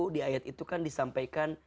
di ayat itu kan disampaikan